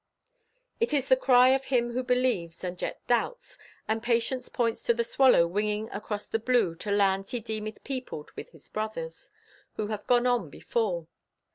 It is the cry of him who believes and yet doubts, and Patience points to the swallow winging across the blue "to lands he deemeth peopled with his brothers" who have gone on before.